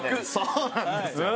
そうなんですよ。